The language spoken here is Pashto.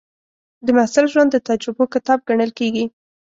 د محصل ژوند د تجربو کتاب ګڼل کېږي.